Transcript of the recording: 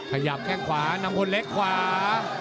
ขยับแข้งขวานำพลเล็กขวา